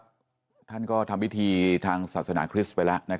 ครูเจี๊ยบก็ทำวิธีทางศาสนาคริชย์ไปแล้วนะครับ